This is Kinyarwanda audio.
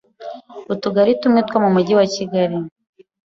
utugari tumwe two mu mujyi wa Kigali